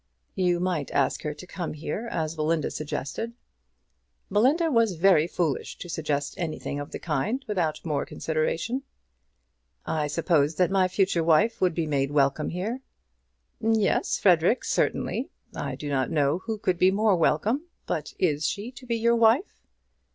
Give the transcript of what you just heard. "You might ask her to come here, as Belinda suggested." "Belinda was very foolish to suggest anything of the kind without more consideration." "I suppose that my future wife would be made welcome here?" "Yes, Frederic, certainly. I do not know who could be more welcome. But is she to be your wife?"